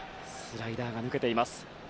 スライダーが抜けています。